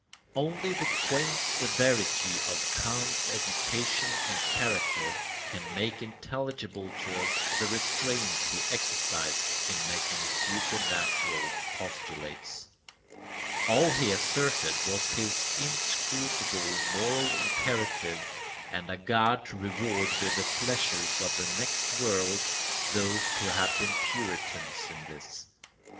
] Only the quaint severity of Kant's education and character can make intelligible to us the restraint he exercised in making supernatural postulates. All he asserted was his inscrutable moral imperative and a God to reward with the pleasures of the next world those who had been Puritans in this.